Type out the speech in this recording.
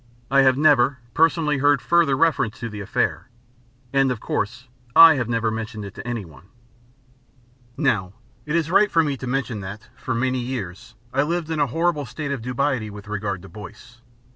I have never, personally, heard further reference to the affair, and of course I have never mentioned it to anyone. Now, it is right for me to mention that, for many years, I lived in a horrible state of dubiety with regard to Boyce.